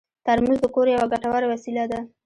ترموز د کور یوه ګټوره وسیله ده.